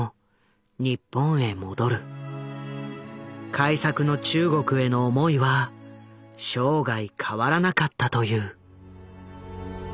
開作の中国への思いは生涯変わらなかったという。